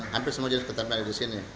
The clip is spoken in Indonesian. hampir semua jenis tetap ada di sini